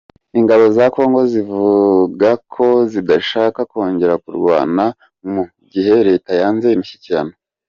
Ingabo za Congo zivuga ko zidashaka kongera kurwana mu gihe Leta yanze imishyikirano.